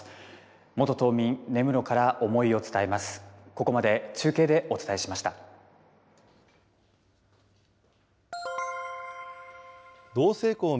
元島民、根室から思いを伝えます。